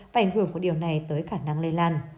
và ảnh hưởng của điều này tới khả năng lây lan